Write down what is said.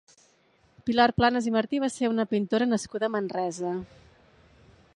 Pilar Planas i Martí va ser una pintora nascuda a Manresa.